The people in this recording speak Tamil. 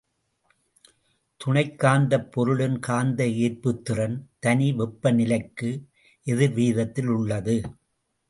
துணைக் காந்தப் பொருளின் காந்த ஏற்புத்திறன், தனி வெப்ப நிலைக்கு எதிர்வீதத்திலுள்ளது.